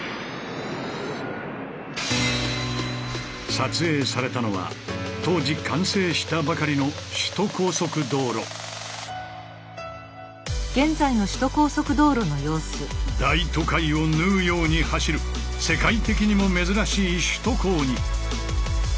撮影されたのは当時完成したばかりの大都会を縫うように走る世界的にも珍しい首都高に。